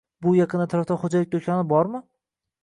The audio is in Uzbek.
Bu yaqin atrofda xo'jalik do'koni bormi?